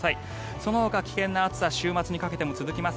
そのほか危険な暑さ週末にかけても続きます。